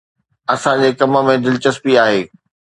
اسان جي ڪم ۾ دلچسپي آهي